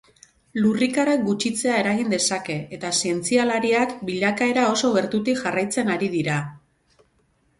Lurrikarak gutxitzea eragin dezake eta zientzialariak bilakaera oso gertutik jarraitzen ari dria.